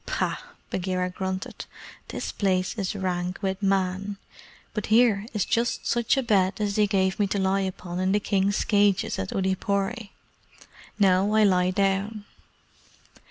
"Pah!" Bagheera grunted. "This place is rank with Man, but here is just such a bed as they gave me to lie upon in the King's cages at Oodeypore. Now I lie down."